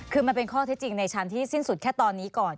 คือมันเป็นข้อเท็จจริงในชั้นที่สิ้นสุดแค่ตอนนี้ก่อน